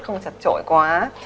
không chặt trội quá